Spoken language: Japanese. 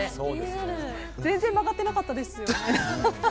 全然曲がってなかったですよね。